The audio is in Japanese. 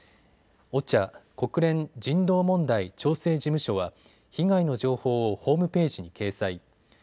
ＯＣＨＡ・国連人道問題調整事務所は被害の情報をホームページに掲載。